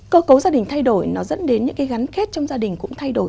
cơ cấu gia đình thay đổi nó dẫn đến những cái gắn kết trong gia đình cũng thay đổi